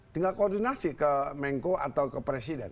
tinggal koordinasi ke mengko atau ke presiden